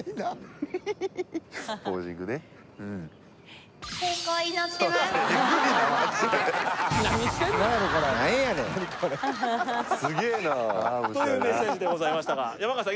エグいなまじで何やねんすげえなというメッセージでございましたが山川さん